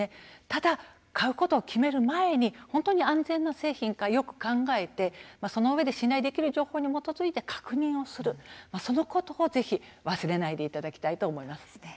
ただ、買うことを決める前に本当に安全な製品かよく考えてそのうえで信頼できる情報に基づいて確認をする、そのことをぜひ忘れないでいただきたいと思います。